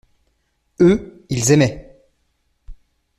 Eux, ils aimaient.